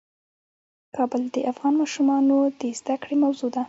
کابل د افغان ماشومانو د زده کړې موضوع ده.